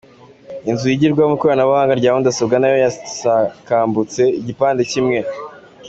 Inzu yigirwamo ikoranabuhanga rya mudasobwa nayo yasakambutseho igipande kimwe.